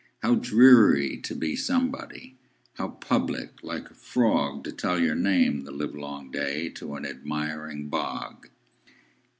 How dreary to be somebody! How public, like a frogTo tell your name the livelong dayTo an admiring bog!